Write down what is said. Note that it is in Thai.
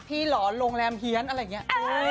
ที่หลอนโรงแรมเฮียนอะไรเงี้ย